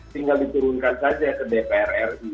tinggal diturunkan saja ke dpr ri